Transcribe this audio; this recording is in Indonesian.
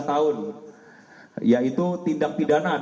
dengan sengaja menghilangkan nyawa orang lain